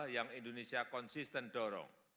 yang indonesia konsisten dorong